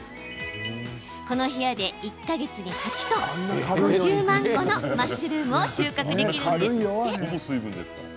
この部屋で１か月に８トン５０万個のマッシュルームを収穫できるんですって。